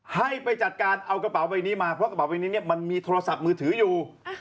ให้ไปจัดการเอากระเป๋าใบนี้มาเพราะกระเป๋าใบนี้เนี่ยมันมีโทรศัพท์มือถืออยู่